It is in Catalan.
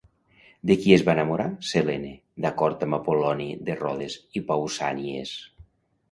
De qui es va enamorar, Selene, d'acord amb Apol·loni de Rodes i Pausànies?